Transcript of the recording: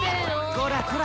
こらこら